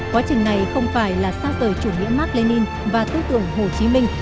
quá trình này không phải là xa rời chủ nghĩa mark lenin và tư tưởng hồ chí minh